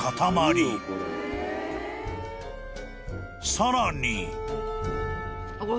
［さらに］